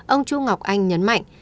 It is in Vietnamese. ông chú ngọc anh nhấn mạnh